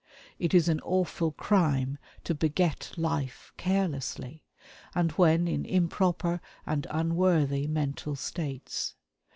It is an awful crime to beget life carelessly, and when in improper and unworthy mental states.